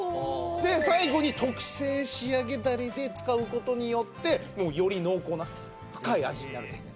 で最後に特製仕上げダレで使う事によってもうより濃厚な深い味になるんですね。